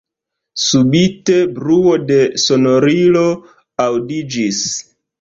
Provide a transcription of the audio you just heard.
Subite bruo de sonorilo aŭdiĝis.